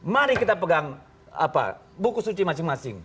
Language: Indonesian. mari kita pegang buku suci masing masing